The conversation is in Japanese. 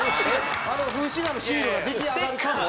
あの風刺画のシールが出来上がるかも？